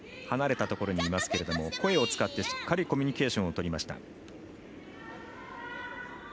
離れたところにいますが声を出してしっかりコミュニケーションをとりました。